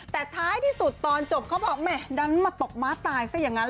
แต่ท้ายที่สุดตอนจบเขาบอกแหม่ดันมาตกม้าตายซะอย่างนั้น